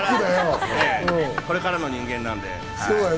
これからの人間なんで、はい。